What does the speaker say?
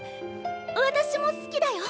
私も好きだよ！